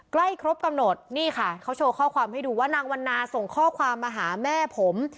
ใกล้ครบกำหนดนี่ค่ะเขาโชว์ข้อความให้ดูว่านางวันนาส่งข้อความมาหาแม่ผม